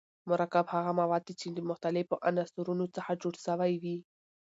مرکب هغه مواد دي چي د مختليفو عنصرونو څخه جوړ سوی وي.